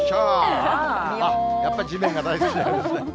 やっぱ地面が大好きなんですね。